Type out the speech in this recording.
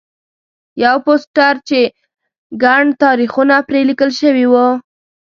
یو پوسټر چې ګڼ تاریخونه پرې لیکل شوي وو.